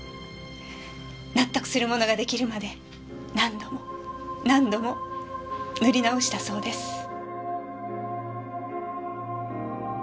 納得するものが出来るまで何度も何度も塗り直したそうです。